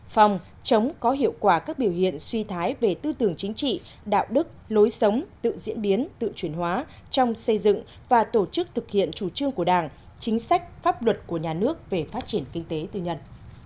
phòng chống có hiệu quả các biểu hiện suy thoái về tư tưởng chính trị đạo đức lối sống tự diễn biến tự chuyển hóa trong xây dựng và tổ chức thực hiện chủ trương của đảng chính sách pháp luật của nhà nước về phát triển kinh tế tư nhân